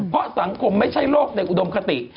เพราะสังคมไม่ใช่โรคในอุดมคติ